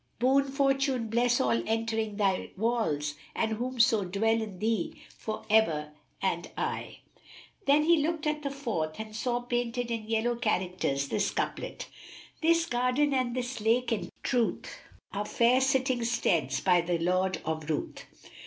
Boon Fortune bless all entering thy walls, * And whomso dwell in thee, for ever and aye!" Then he looked at the fourth and saw painted in yellow characters this couplet, "This garden and this lake in truth * Are fair sitting steads, by the Lord of Ruth!"